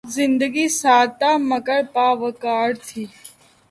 زندگی سادہ مگر باوقار تھی